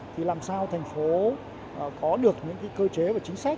thì làm sao thành phố có được những cái cơ chế và chính sách